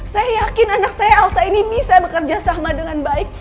saya yakin anak saya alsa ini bisa bekerja sama dengan baik